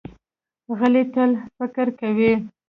غلی، تل فکر کوي.